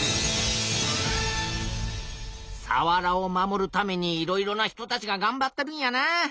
さわらを守るためにいろいろな人たちががんばってるんやなあ。